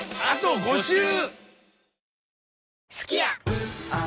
あと５週！